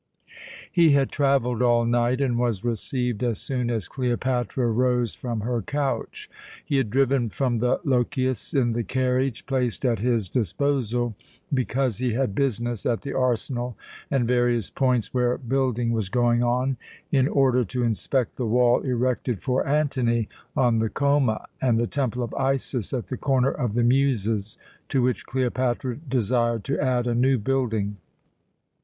He had travelled all night, and was received as soon as Cleopatra rose from her couch. He had driven from the Lochias in the carriage placed at his disposal because he had business at the arsenal and various points where building was going on, in order to inspect the wall erected for Antony on the Choma, and the Temple of Isis at the Corner of the Muses, to which Cleopatra desired to add a new building.